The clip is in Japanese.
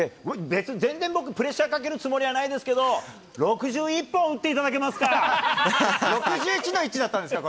別に、全然僕、プレッシャーかけるつもりはないですけど、６１本打っていただけ６１の１だったんですか？